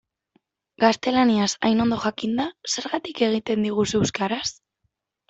Gaztelaniaz hain ondo jakinda, zergatik egiten diguzu euskaraz?